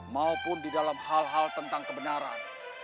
maupun di dalam hal hal tentang kebenaran